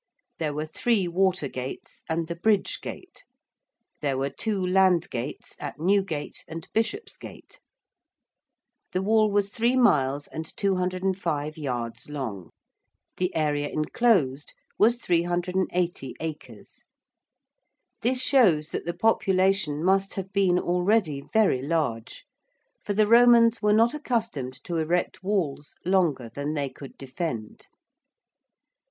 There were three water gates and the Bridge gate; there were two land gates at Newgate and Bishopsgate. The wall was 3 miles and 205 yards long; the area enclosed was 380 acres. This shows that the population must have been already very large, for the Romans were not accustomed to erect walls longer than they could defend.